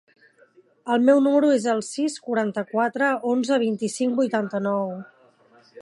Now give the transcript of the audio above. El meu número es el sis, quaranta-quatre, onze, vint-i-cinc, vuitanta-nou.